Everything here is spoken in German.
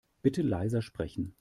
Bitte leiser sprechen.